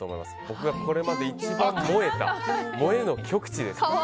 僕が、これまで一番萌えた、萌えの極地です。